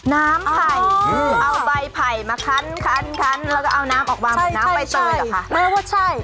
น้ำไผ่เอาใบไผ่มาคั้นคั้นคั้นแล้วก็เอาน้ำออกวางของน้ำไผ่เตยเหรอคะ